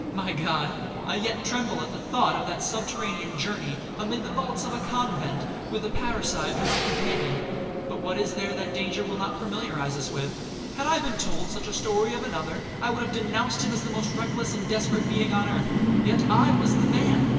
my God! I yet tremble at the thought of that subterranean journey, amid the vaults of a convent, with a parricide for my companion. But what is there that danger will not familiarize us with? Had I been told such a story of another, I would have denounced him as the most reckless and desperate being on earth—yet I was the man.